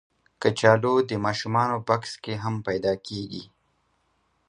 کچالو د ماشومانو بکس کې هم پیدا کېږي